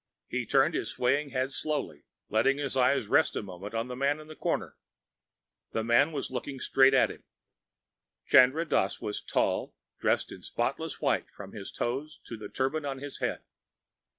He turned his swaying head slowly, letting his eyes rest a moment on the man in the corner. That man was looking straight at him. Chandra Dass was tall, dressed in spotless white from his shoes to the turban on his head.